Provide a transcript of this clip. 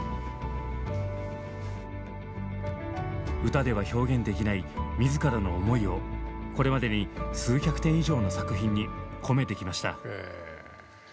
歌では表現できない自らの思いをこれまでに数百点以上の作品に込めてきました。